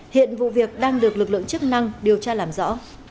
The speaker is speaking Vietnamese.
hiện vụ việc đang được lực lượng chức năng điều tra làm rõ